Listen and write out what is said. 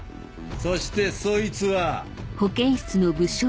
そしてそいつは。